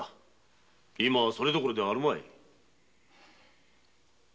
今はそれどころではあるまい。